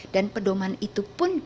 dan pedoman itu pun